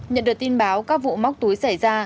nhận được tin báo các vụ móc túi xảy ra